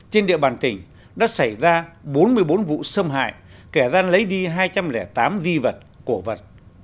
trên địa bàn tỉnh đã xảy ra bốn mươi bốn vụ xâm hại kẻ gian lấy đi hai trăm linh tám di vật cổ vật